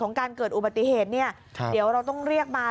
การเกิดอุบัติเหตุเนี่ยเดี๋ยวเราต้องเรียกมา